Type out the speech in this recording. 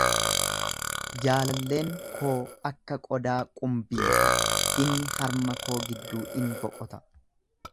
jaalalleen koo akka qodaa qumbii ti, inni harma koo gidduu in boqota;